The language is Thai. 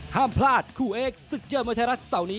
ห้ามพลาดคู่เอกศึกยอดมวยไทยรัฐเสาร์นี้